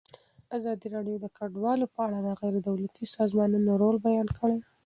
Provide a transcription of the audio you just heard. ازادي راډیو د کډوال په اړه د غیر دولتي سازمانونو رول بیان کړی.